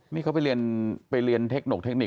นี่เขาไปเรียนเทคโนคเทคนิค